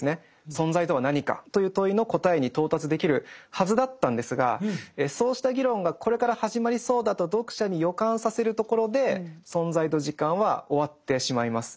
「存在とは何か」という問いの答えに到達できるはずだったんですがそうした議論がこれから始まりそうだと読者に予感させるところで「存在と時間」は終わってしまいます。